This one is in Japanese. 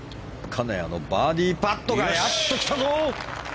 金谷のバーディーパットがやっときたぞ！